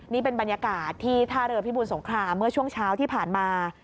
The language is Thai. นี่เป็นบรรยากาศที่ท่าเรือพิบูรสงครามเมื่อช่วงเช้าที่ผ่านมา